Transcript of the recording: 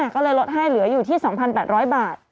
ก็เลยลดให้เหลืออยู่ที่๒๘๐๐บาท